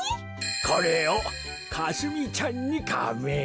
これをかすみちゃんにカメ！